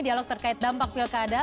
dialog terkait dampak pilkada